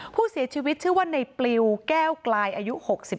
ผู้เสียชีวิตชื่อว่าในปลิวแก้วกลายอายุ๖๒